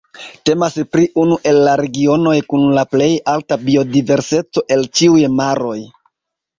Temas pri unu el la regionoj kun la plej alta biodiverseco el ĉiuj maroj.